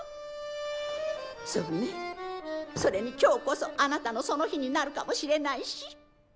そうねそれに今日こそあなたのその日になるかもしれないし。